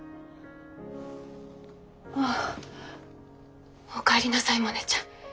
ああおかえりなさいモネちゃん。